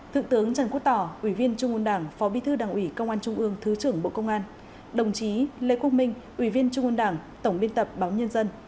thượng tướng trần quốc tỏ ủy viên trung ương đảng phó bí thư đảng ủy công an trung ương